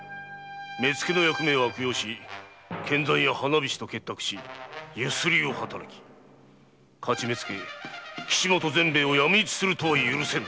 目付の役目を悪用して献残屋・花菱と結託し強請を働き徒目付・岸本善兵衛を闇討ちするとは許せぬ。